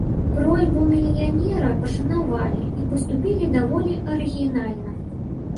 Просьбу мільянера пашанавалі і паступілі даволі арыгінальна.